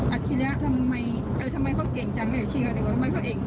อัศจิริยาทำไมเอ่ยทำไมเขาเก่งจังอะเฉียชีเลยห์ทำไมเขาเอก